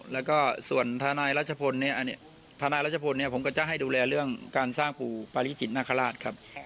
แล้วก็ส่วนทนายรัชพลเนี่ยทนายรัชพลเนี่ยผมก็จะให้ดูแลเรื่องการสร้างปู่ปาริจิตนาคาราชครับ